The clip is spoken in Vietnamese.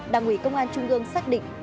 đảng ủy công an trung ương xác định